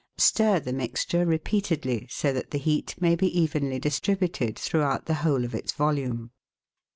Stir the mixture repeatedly so that the heat may be evenly distributed throughout the whole of its volume.